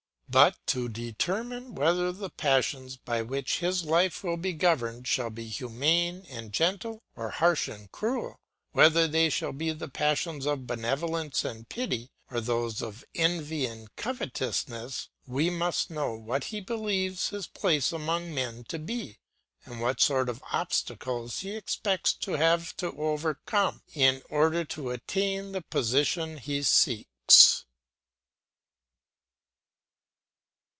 But to determine whether the passions by which his life will be governed shall be humane and gentle or harsh and cruel, whether they shall be the passions of benevolence and pity or those of envy and covetousness, we must know what he believes his place among men to be, and what sort of obstacles he expects to have to overcome in order to attain to the position he seeks.